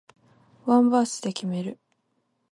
ワンバースで決める